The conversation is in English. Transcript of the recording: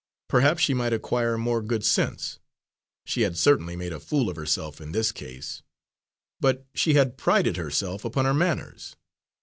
Perhaps she might acquire more good sense she had certainly made a fool of herself in this case but she had prided herself upon her manners.